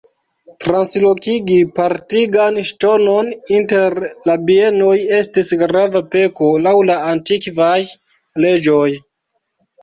Translokigi partigan ŝtonon inter la bienoj estis grava peko laŭ la antikvaj leĝoj.